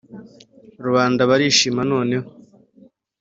rubanda barishima; noneho